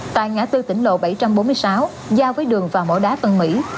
tại ngã tư tỉnh lộ bảy trăm bốn mươi sáu giao với đường vào mỏ đá tân mỹ